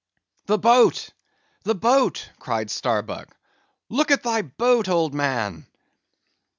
"The boat! the boat!" cried Starbuck, "look at thy boat, old man!"